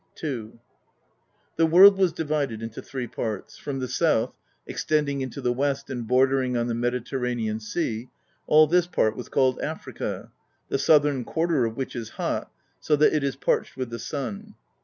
II The world was divided into three parts: from the south, extending into the west and bordering on the Mediterranean Sea, — all this part was called Africa, the southern quarter of which is hot, so that it is parched with the sun.